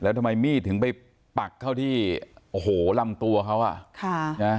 แล้วทำไมมีดถึงไปปักเข้าที่โอ้โหลำตัวเขาอ่ะค่ะนะ